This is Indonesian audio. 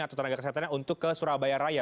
atau tenaga kesehatannya untuk ke surabaya raya